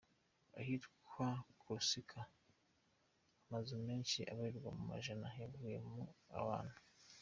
Ahitwa Corsica, amazu menshi abarirwa mu majana yavuyemo abantu.